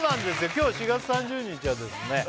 今日４月３０日はですね